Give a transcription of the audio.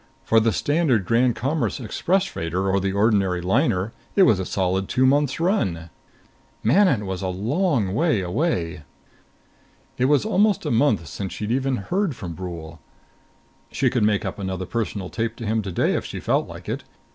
For the standard Grand Commerce express freighter or the ordinary liner it was a solid two months' run. Manon was a long way away! It was almost a month since she'd even heard from Brule. She could make up another personal tape to him today if she felt like it.